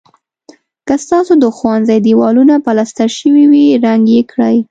که ستاسو د ښوونځي دېوالونه پلستر شوي وي رنګ یې کړئ.